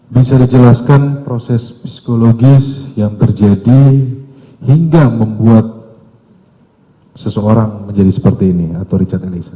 bisa dijelaskan proses psikologis yang terjadi hingga membuat seseorang menjadi seperti ini atau richard eliezer